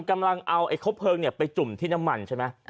กำลังเอาไอ้ครบเพลิงไปจุ่มที่น้ำมันใช่ไหม